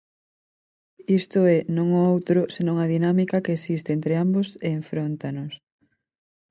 Isto é, non o outro, senón a dinámica que existe entre ambos e enfróntanos.